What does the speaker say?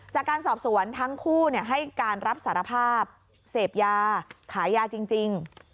จากการสอบสวนทั้งคู่ให้การรับสารภาพเสพยาขายยาจริง